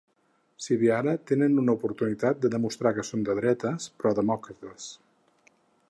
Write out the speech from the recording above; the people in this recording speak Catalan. Si bé ara tenen una oportunitat de demostrar que són de dretes, però demòcrates.